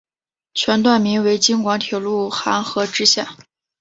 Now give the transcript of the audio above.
全段名为京广铁路邯和支线。